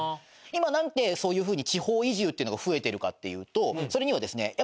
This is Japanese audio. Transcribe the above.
今なんでそういう風に地方移住っていうのが増えてるかっていうとそれにはですね